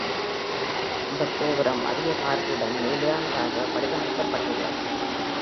இந்த கோபுரம் அதிக காற்றுடன் நிலையானதாக வடிவமைக்கப்பட்டுள்ளது.